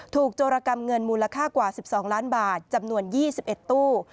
โจรกรรมเงินมูลค่ากว่า๑๒ล้านบาทจำนวน๒๑ตู้